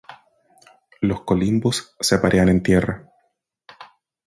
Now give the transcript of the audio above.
Los colimbos se aparean en tierra.